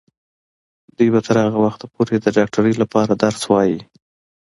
دوی به تر هغه وخته پورې د ډاکټرۍ لپاره درس وايي.